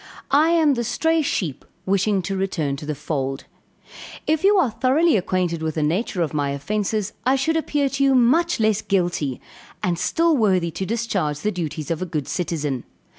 I am the stray sheep wishing to return to the fold. If you are thoroughly acquainted with the nature of my offences, I should appear to you much less guilty, and still worthy to discharge the duties of a good citizen.